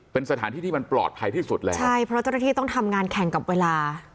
เป็นสถานที่ที่มันปลอดภัยที่สุดแล้วใช่เพราะเจ้าหน้าที่ต้องทำงานแข่งกับเวลา